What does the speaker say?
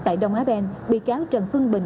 tại đông á ben bị cáo trần phương bình